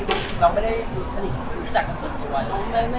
คงเป็นแบบเรื่องปกติที่แบบ